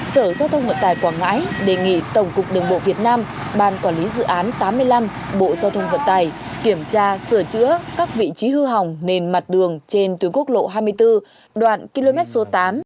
sở giao thông vận tài quảng ngãi đề nghị tổng cục đường bộ việt nam ban quản lý dự án tám mươi năm bộ giao thông vận tải kiểm tra sửa chữa các vị trí hư hỏng nền mặt đường trên tuyến quốc lộ hai mươi bốn đoạn km số tám